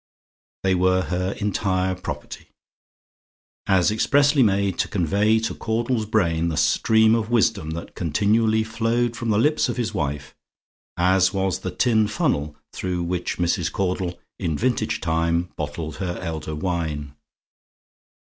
They were her entire property; as expressly made to convey to Caudle's brain the stream of wisdom that continually flowed from the lips of his wife, as was the tin funnel through which Mrs. Caudle in vintage time bottled her elder wine.